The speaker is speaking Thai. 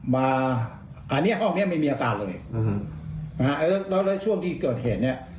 ห้องนี้ไม่มีอากาศเลยแล้วในช่วงที่เกิดเหตุเนี่ย